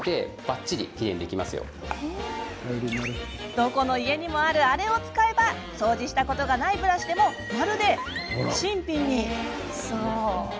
どこの家にもあるあれを使えば掃除したことがないブラシでもまるで新品に。